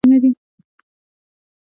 د بامیان په کهمرد کې کوم کانونه دي؟